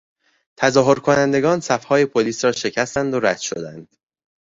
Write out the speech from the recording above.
تظاهرکنندگان صفهای پلیس را شکستند و رد شدند.